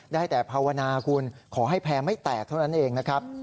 ได้แต่ภาวนาคุณขอให้แพร่ไม่แตกเท่านั้นเองนะครับ